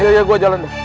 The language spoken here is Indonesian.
iya iya gua jalan deh